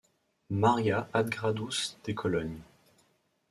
Maria ad Gradus de Cologne.